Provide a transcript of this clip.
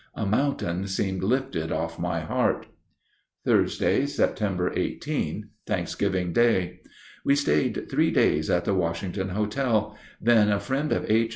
A mountain seemed lifted off my heart. Thursday, Sept. 18. (Thanksgiving Day.) We stayed three days at the Washington Hotel; then a friend of H.'